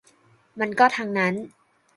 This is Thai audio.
มันก็ทั้งนั้น